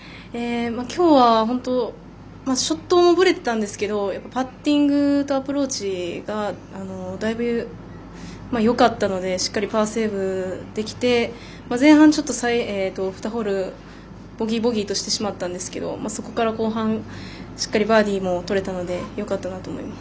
きょうはショットぶれてたんですけどパッティングとアプローチがだいぶ、よかったのでしっかりパーセーブできて前半、ちょっと２ホールボギー、ボギーとしてしまったんですけどそこから後半しっかりバーディーもとれたのでよかったなと思います。